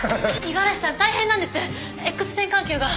五十嵐さん大変なんです Ｘ 線管球が